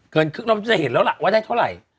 เราจะเห็นแล้วล่ะว่าได้เท่าไหร่